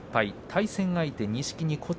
対戦相手は錦木。